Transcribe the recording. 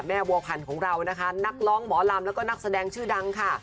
บัวผันของเรานะคะนักร้องหมอลำแล้วก็นักแสดงชื่อดังค่ะ